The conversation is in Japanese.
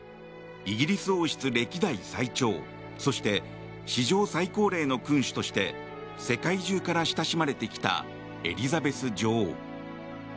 イギリス王室歴代最長そして史上最高齢の君主として世界中から親しまれてきたエリザベス女王。